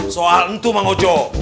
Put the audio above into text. soal itu mang ojo